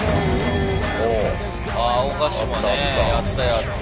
ああ青ヶ島ねやったやった。